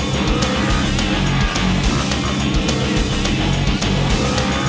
toh aman kita